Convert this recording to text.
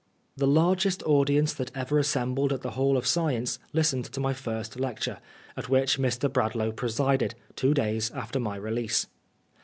The largest audience that ever assembled at the Hall of Science listened to my first lecttire, at which Mr. Bradlaugh presided^ two days after my release.